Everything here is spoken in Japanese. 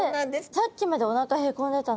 さっきまでおなかへこんでたのに。